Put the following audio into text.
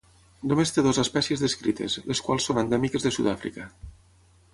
Només té dues espècies descrites, les quals són endèmiques de Sud-àfrica.